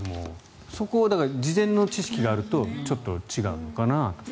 そこを事前の知識があるとちょっと違うのかなと。